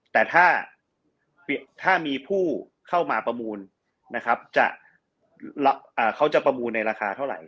แต่ถ้ามีผู้เข้ามาประมูลนะครับเขาจะประมูลในราคาเท่าไหร